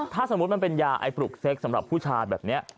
ถ้าสมมุติมันเป็นยาไอปลุกเซ็กสำหรับผู้ชายแบบนี้